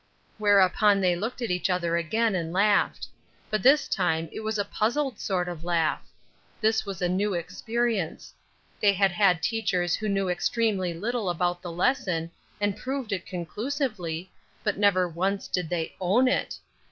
Whereupon they looked at each other again and laughed; but this time it was a puzzled sort of laugh. This was a new experience. They had had teachers who knew extremely little about the lesson, and proved it conclusively, but never once did they own it.